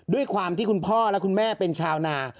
ด้วยความที่คุณพ่อและคุณแม่เป็นชาวนา